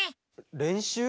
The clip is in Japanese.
れんしゅう？